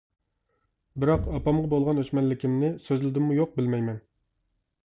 بىراق ئاپامغا بولغان ئۆچمەنلىكىمنى سۆزلىدىممۇ يوق بىلمەيمەن.